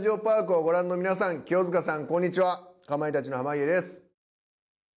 かまいたちの濱家です。